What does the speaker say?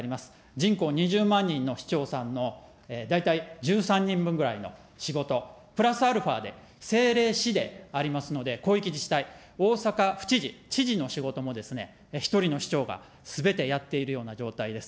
人口２０万人の市長さんの、大体１３人分ぐらいの仕事、プラスアルファで政令市でありますので、広域自治体、大阪府知事、知事の仕事もですね、１人の市長がすべてやっているような状態です。